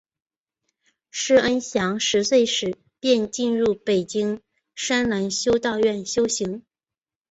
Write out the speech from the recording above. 师恩祥十岁时便进入北京栅栏修道院修行。